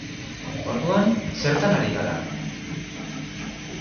Orduan, zertan ari gara?